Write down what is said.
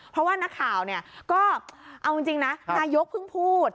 เพราะว่านักข่าวเนี่ยก็เอาจริงนะนายกเพิ่งพูด